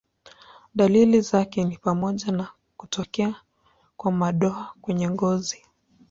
Dalili zake ni pamoja na kutokea kwa madoa kwenye ngozi.